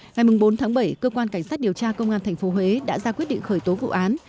ngày bốn tháng bảy cơ quan cảnh sát điều tra công an tp huế đã ra quyết định khởi tố vụ án